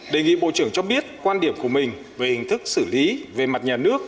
đề nghị bộ trưởng cho biết quan điểm của mình về hình thức xử lý về mặt nhà nước